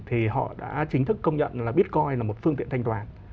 thì họ đã chính thức công nhận là bitcoin là một phương tiện thanh toán